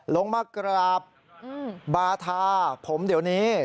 ลงมากราบบาทาผมเดี๋ยวนี้